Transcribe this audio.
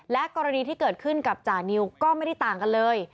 และกรณีที่เกิดขึ้นกับจานิวก็ไม่ได้ต่างกันเลย